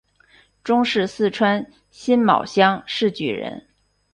中式四川辛卯乡试举人。